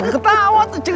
ketawa tuh cik